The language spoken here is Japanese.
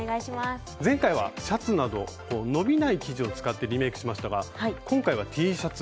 前回はシャツなど伸びない生地を使ってリメイクしましたが今回はＴシャツ。